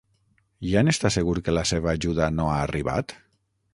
Ja n'està segur que la seva ajuda no ha arribat?